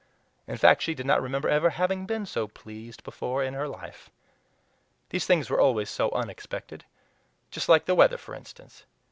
In fact, she did not remember ever having been so pleased before in her life! These things were always so unexpected! Just like the weather, for instance.